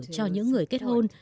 cho những người kết hôn